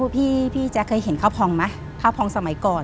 พี่แจ๊คเคยเห็นข้าวพองไหมข้าวพองสมัยก่อน